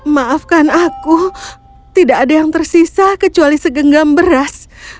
maafkan aku tidak ada yang tersisa kecuali segenggam beras